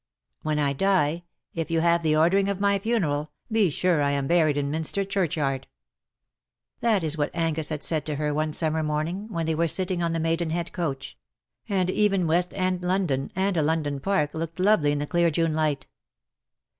" When I die, if you have the ordering of my funeral, be sure I am buried in Minster Churchyard/^ That is what Angus had said to her one summer morning, when they were sitting on the Maidenhead coach — and even West End London, and a London Park, looked lovely in the clear June light.